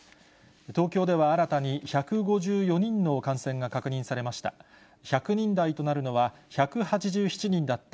東京では、新たに１５４人の感染が確認されました。